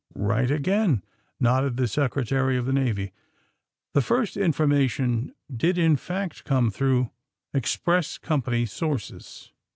Eight again," nodded the Secretary of the Navy. *' The first information did, in fact, come through express company sources."